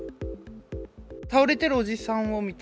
倒れてるおじさんを見た。